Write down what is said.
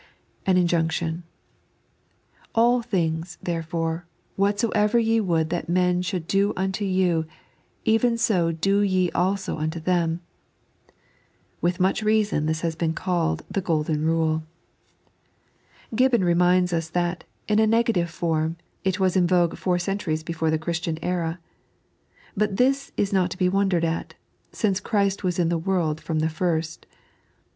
An iKJUWonoN. "All things, therefore, whatsoever ye would that men should do unto you, even bo do ye also unto them." With much reason this has been called "The Golden Kule." Gibbon reminds ns that, in a negative form, it was in vogue four centuries before the Christian Bra. Eut this is not to be wondered at, since Christ was in the world from the first.